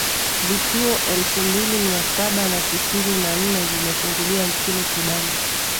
vituo elfu mbili mia saba na tisini na nne vimefunguliwa nchini sudan